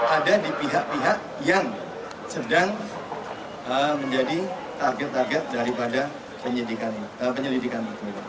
ada di pihak pihak yang sedang menjadi target target daripada penyelidikan